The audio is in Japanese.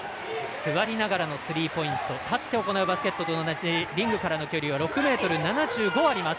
座りながらのスリーポイント立って行うバスケットと同じでリングからの距離は６ｍ７５あります。